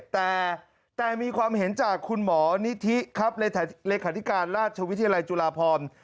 แต่มีความเห็นจากคุณหมอนิธิครับเลขาธิการราชวิทยาลัยจุฬาพร